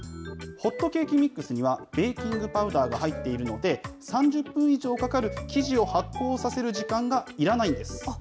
ホットケーキミックスにはベーキングパウダーが入っているので、３０分以上かかる生地を発酵させる時間がいらないんです。